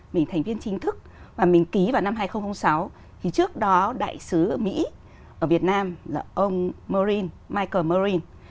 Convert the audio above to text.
mình thành viên chính thức và mình ký vào năm hai nghìn sáu thì trước đó đại sứ ở mỹ ở việt nam là ông marine michael marine